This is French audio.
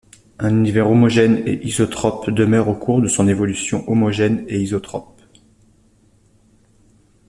Un univers homogène et isotrope demeure au cours de son évolution homogène et isotrope.